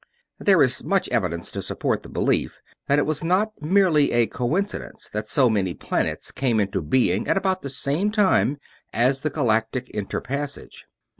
There is much evidence to support the belief that it was not merely a coincidence that so many planets came into being at about the same time as the galactic inter passage.